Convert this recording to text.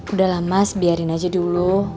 udahlah mas biarin aja dulu